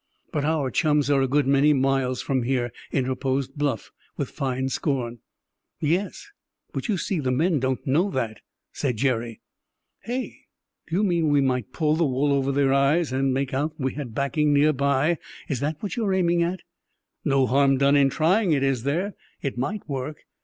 "But our chums are a good many miles from here," interposed Bluff, with fine scorn. "Yes; but you see the men don't know that!" said Jerry. "Hey! Do you mean we might pull the wool over their eyes and make out we had backing near by? Is that what you're aiming at?" "No harm done in trying it, is there? It might work.